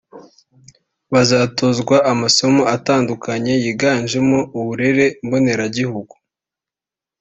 Bazatozwa amasomo atandukanye yiganjemo uburere mboneragihugu